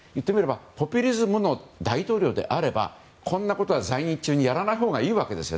ポピュリズムの大統領であればこんなことは在任中にやらないほうがいいわけです。